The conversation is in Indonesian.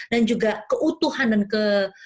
dan juga keutuhan dan ke